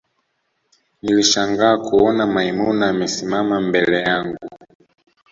nilishangaa kuona maimuna amesimama mbele yangu